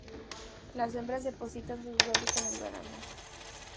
Las hembras depositan sus huevos en el verano.